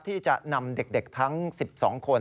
ที่จะนำเด็กทั้ง๑๒คน